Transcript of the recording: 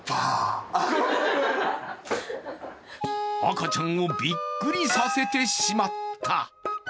赤ちゃんをびっくりさせてしまった。